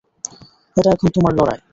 এটা এখন তোমার লড়াই।